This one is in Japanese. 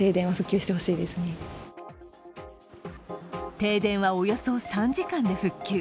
停電はおよそ３時間で復旧。